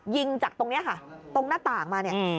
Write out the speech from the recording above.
ยิงจากตรงนี้ค่ะตรงหน้าต่างมาเนี่ย